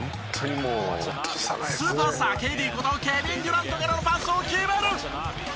スーパースターＫＤことケビン・デュラントからのパスを決める！